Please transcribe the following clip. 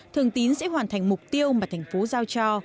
thường tín sẽ hoàn thành mục tiêu mà thành phố giao cho